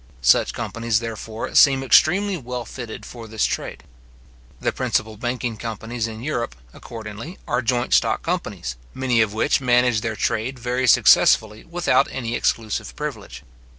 Such companies, therefore, seem extremely well fitted for this trade. The principal banking companies in Europe, accordingly, are joint stock companies, many of which manage their trade very successfully without any exclusive privilege.